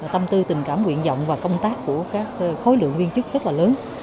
tâm tư tình cảm nguyện dọng và công tác của các khối lượng viên chức rất là lớn